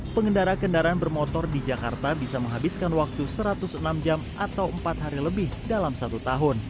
pengendara kendaraan bermotor di jakarta bisa menghabiskan waktu satu ratus enam jam atau empat hari lebih dalam satu tahun